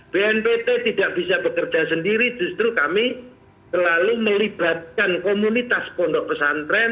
bnpt tidak bisa bekerja sendiri justru kami selalu melibatkan komunitas pondok pesantren